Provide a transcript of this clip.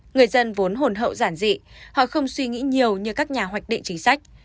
người dân vốn hồn hậu giản dị họ không suy nghĩ nhiều như các nhà hoạch định chính sách